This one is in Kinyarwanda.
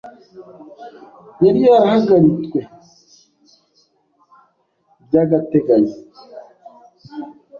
yari yarahagaritwe by’agateganyo